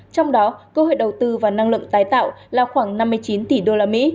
trong đó cơ hội đầu tư vào năng lượng tái tạo là khoảng năm mươi chín tỷ usd